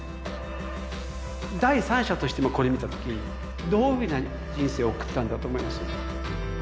第三者として今これ見た時どういう人生を送ったんだと思います？